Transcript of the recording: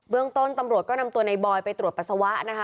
เรื่องต้นตำรวจก็นำตัวในบอยไปตรวจปัสสาวะนะคะ